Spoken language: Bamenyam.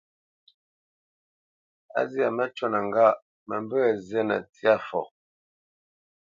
A zyâ məcûnə ŋgâʼ: mə mbə̄ zînə ntsyâ fɔ.